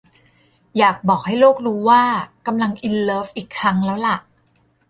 อยากบอกให้โลกรู้ว่ากำลังอินเลิฟอีกครั้งแล้วล่ะ